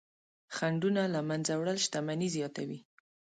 خنډونه له منځه وړل شتمني زیاتوي.